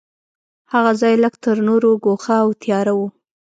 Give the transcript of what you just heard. هغه ځای لږ تر نورو ګوښه او تیاره و.